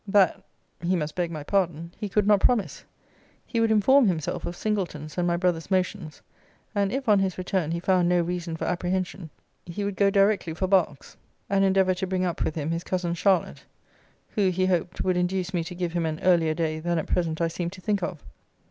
That, he must beg my pardon, he could not promise. He would inform himself of Singleton's and my brother's motions; and if on his return he found no reason for apprehension, he would go directly for Berks, and endeavour to bring up with him his cousin Charlotte, who, he hoped, would induce me to give him an earlier day than at present I seemed to think of.